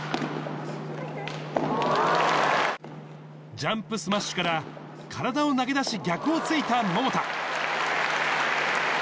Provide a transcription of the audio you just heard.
ジャンプスマッシュから、体を投げ出し、逆をついた桃田。